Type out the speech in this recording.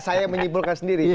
saya menyimpulkan sendiri